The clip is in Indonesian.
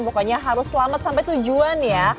pokoknya harus selamat sampai tujuan ya